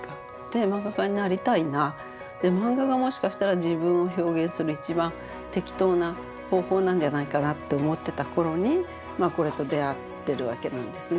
マンガ家になりたいなでマンガがもしかしたら自分を表現する一番適当な方法なんじゃないかなって思ってた頃にこれと出会ってるわけなんですね。